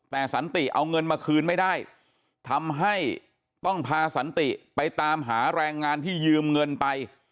แต่สันติเอาเงินมาคืนไม่ได้ทำให้ต้องพาสันติไปตามหาแรงงานที่ยืมเงินไป